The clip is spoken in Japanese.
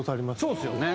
そうですよね。